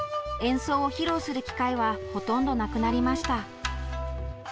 演奏を披露する機会はほとんどなくなりました。